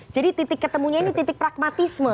jadi titik ketemunya ini titik pragmatisme